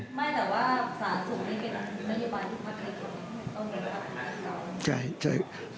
ไม่แต่ว่าสาณศุภิคก็เป็นใบรี่บรานทุกภักดิ์